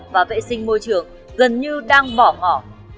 và vệ sinh môi trường dần như đang bỏ mỏ